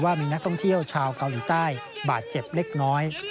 มีนักท่องเที่ยวชาวเกาหลีใต้บาดเจ็บเล็กน้อย